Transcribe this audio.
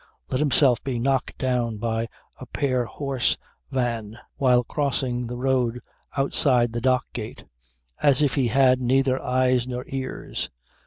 Let himself be knocked down by a pair horse van while crossing the road outside the dock gate, as if he had neither eyes nor ears.